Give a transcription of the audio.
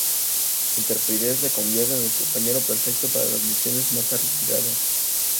Su intrepidez le convierte en el compañero perfecto para las misiones más arriesgadas.